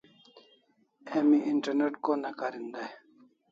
Emi internet ko ne karin dai?